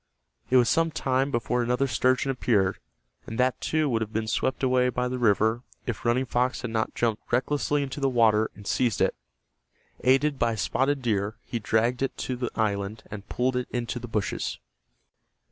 It was some time before another sturgeon appeared, and that, too, would have been swept away by the river if Running Fox had not jumped recklessly into the water and seized it. Aided by Spotted Deer he dragged it to the island, and pulled it into the bushes.